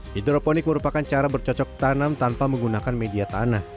hidroponik merupakan cara bercocok tanam tanpa menggunakan media tanah